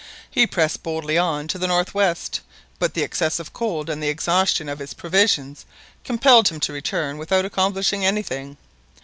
He pressed boldly on to the north west; but the excessive cold and the exhaustion of his provisions compelled him to return without accomplishing anything.